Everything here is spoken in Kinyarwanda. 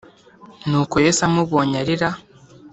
Nuko Yesu amubonye arira